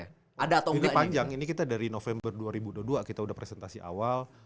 ini panjang ini kita dari november dua ribu dua puluh dua kita udah presentasi awal